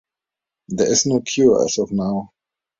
There is no cure as of now.